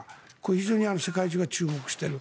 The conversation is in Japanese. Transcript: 非常に世界中が注目してる。